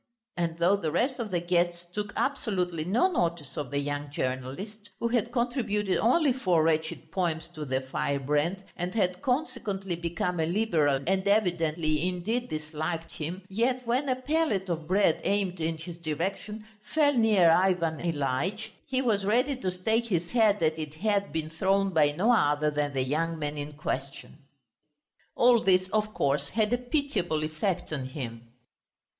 And though the rest of the guests took absolutely no notice of the young journalist, who had contributed only four wretched poems to the Firebrand, and had consequently become a Liberal and evidently, indeed, disliked him, yet when a pellet of bread aimed in his direction fell near Ivan Ilyitch, he was ready to stake his head that it had been thrown by no other than the young man in question. All this, of course, had a pitiable effect on him.